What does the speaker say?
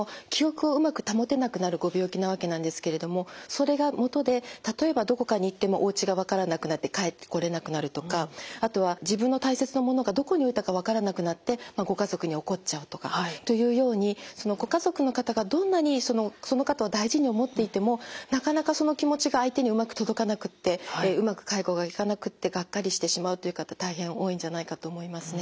それがもとで例えばどこかに行ってもおうちが分からなくなって帰ってこれなくなるとかあとは自分の大切なものがどこに置いたか分からなくなってご家族に怒っちゃうとかというようにご家族の方がどんなにその方を大事に思っていてもなかなかその気持ちが相手にうまく届かなくってうまく介護がいかなくってがっかりしてしまうという方大変多いんじゃないかと思いますね。